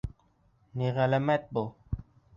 Ни ғәләмәт был?